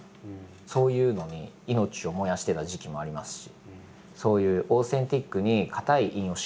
そういうのに命を燃やしてた時期もありますし。